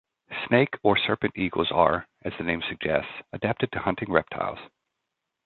Snake or serpent eagles are, as the name suggests, adapted to hunting reptiles.